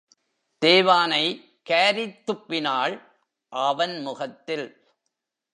தேவானை காரித்துப்பினாள் அவன் முகத்தில்.